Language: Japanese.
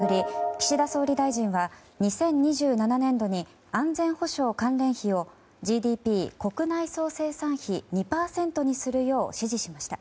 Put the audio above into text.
防衛力の抜本的な強化を巡り岸田総理大臣は２０２７年度に安全保障関連費をＧＤＰ・国内総生産比２％にするよう指示しました。